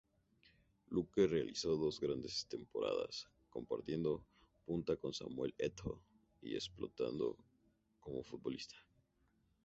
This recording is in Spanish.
Luque realizó dos grandes temporadas, compartiendo punta con Samuel Eto'o y explotando como futbolista.